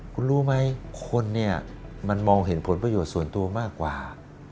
คุณรู้ไหมคนเนี่ยมันมองเห็นผลประโยชน์ส่วนตัวมากกว่า